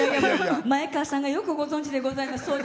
前川さんがよくご存じでございます